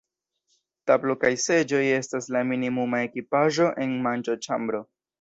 Tablo kaj seĝoj estas la minimuma ekipaĵo en manĝoĉambro.